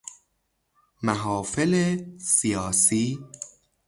محافل سیاسی